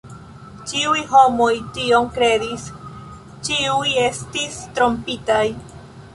Ĉiuj homoj tion kredis; ĉiuj estis trompitaj.